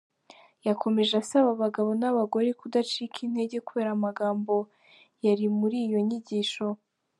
Yakomeje asaba abagabo n’ abagore kudacika intege kubera amagambo yari muri iyo nyigisho.